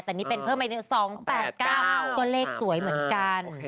แต่นี่เป็นเพิ่มอีก๒๘๙ก็เลขสวยเหมือนกัน